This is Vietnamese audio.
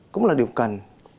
cũng là điều cần